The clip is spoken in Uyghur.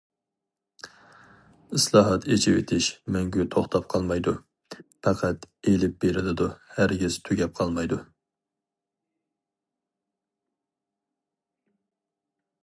ئىسلاھات، ئېچىۋېتىش مەڭگۈ توختاپ قالمايدۇ، پەقەت ئېلىپ بېرىلىدۇ، ھەرگىز تۈگەپ قالمايدۇ.